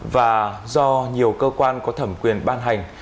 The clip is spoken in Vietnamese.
và do nhiều cơ quan có thẩm quyền ban hành